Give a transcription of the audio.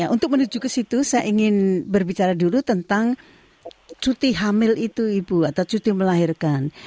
untuk menuju ke situ saya ingin berbicara dulu tentang cuti hamil itu ibu atau cuti melahirkan